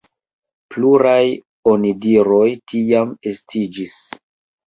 Pluraj onidiroj tiam estiĝis.